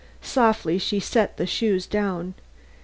Softly she set the shoes down.